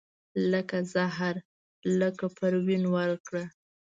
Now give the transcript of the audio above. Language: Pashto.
لکه زهره لکه پروین ورکړه